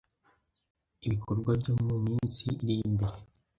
ibikorwa byo mu minsi iri imbere